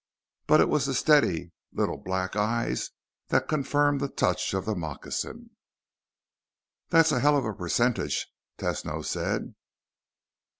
But it was the steady little black eyes that confirmed the touch of the moccasin. "That's a hell of a percentage," Tesno said.